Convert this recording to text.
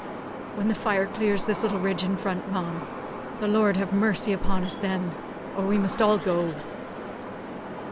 "When the fire clears this little ridge in front, ma'am. The Lord have mercy upon us, then, or we must all go!"